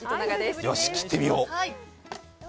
よし切ってみよう。